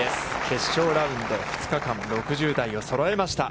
決勝ラウンド、２日間６０台をそろえました。